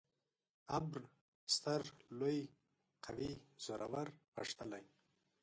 ابر: ستر ، لوی ، قوي، زورور، غښتلی